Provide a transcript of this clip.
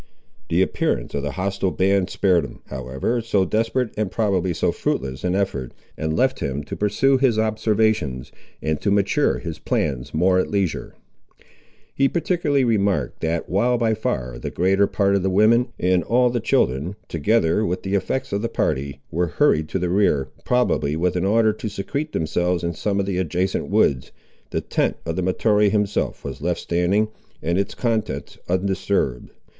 The appearance of the hostile band spared him, however, so desperate and probably so fruitless an effort, and left him to pursue his observations, and to mature his plans more at leisure. He particularly remarked that, while by far the greater part of the women, and all the children, together with the effects of the party, were hurried to the rear, probably with an order to secrete themselves in some of the adjacent woods, the tent of Mahtoree himself was left standing, and its contents undisturbed.